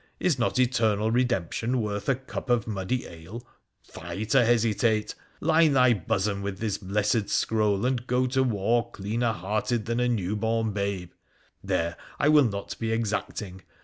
is not eternal redemption worth a cup of muddy ale ? Fie to hesitate ! Line thy bosom with this blessed scroll, and go to war cleaner hearted than a new born babe. There ! I will not be exacting.